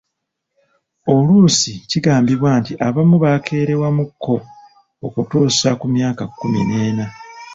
Oluusi kigambibwa nti abamu bakerewamuuko okutuusa ku myaka kumi n'ena.